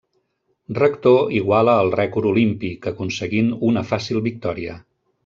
Rector iguala el rècord olímpic, aconseguint una fàcil victòria.